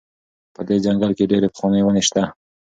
په دې ځنګل کې ډېرې پخوانۍ ونې شته.